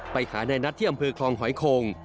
ไปหานายนัทที่อำเภอคลองหอยคง